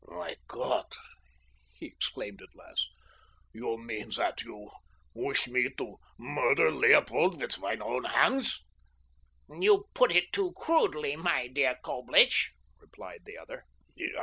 "My God!" he exclaimed at last. "You mean that you wish me to murder Leopold with my own hands?" "You put it too crudely, my dear Coblich," replied the other.